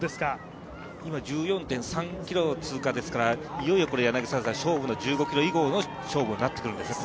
今、１４．３ｋｍ通過ですから、いよいよ勝負の１５ｋｍ以降の勝負になってくるんですかね？